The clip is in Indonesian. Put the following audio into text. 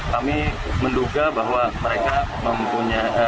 kami menduga bahwa mereka mempunyai